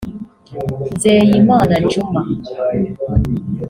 Nizeyimana Djuma